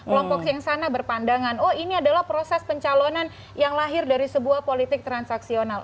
kelompok yang sana berpandangan oh ini adalah proses pencalonan yang lahir dari sebuah politik transaksional